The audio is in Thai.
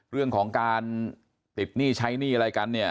เรื่องของการติดหนี้ใช้หนี้อะไรกันเนี่ย